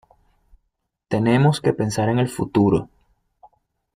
Tenemos que pensar en el futuro.